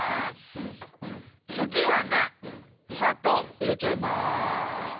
つぎはねさとういれちゃいます。